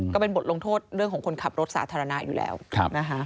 ก็เป็นบทลงโทษเรื่องของคนขับรถสาธารณะอยู่แล้วนะคะ